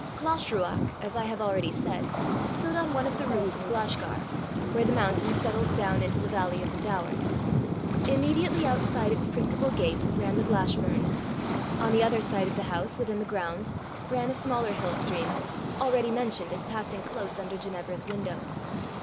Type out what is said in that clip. Glashruach, as I have already said, stood on one of the roots of Glashgar, where the mountain settles down into the valley of the Daur. Immediately outside its principal gate ran the Glashburn; on the other side of the house, within the grounds, ran a smaller hill stream, already mentioned as passing close under Ginevra's window.